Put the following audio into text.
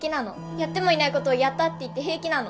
やってもいないことをやったって言って平気なの？